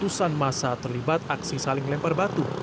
tusan massa terlibat aksi saling lempar batu